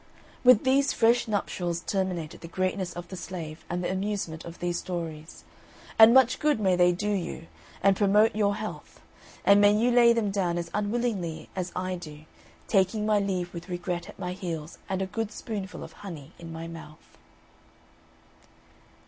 With these fresh nuptials terminated the greatness of the Slave and the amusement of these stories. And much good may they do you, and promote your health! And may you lay them down as unwillingly as I do, taking my leave with regret at my heels and a good spoonful of honey in my mouth.